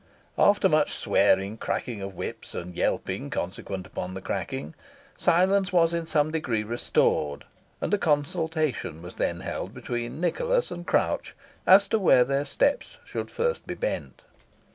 After much swearing, cracking of whips, and yelping consequent upon the cracking, silence was in some degree restored, and a consultation was then held between Nicholas and Crouch as to where their steps should first be bent.